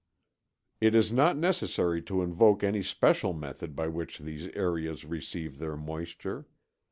It is not necessary to invoke any special method by which these areas receive their moisture.